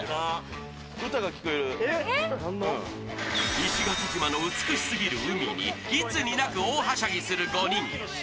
石垣島の美しすぎる海にいつになく大はしゃぎする５人。